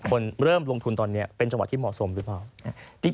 คนเริ่มลงทุนตอนนี้เป็นจังหวัดที่เหมาะสมหรือเปล่า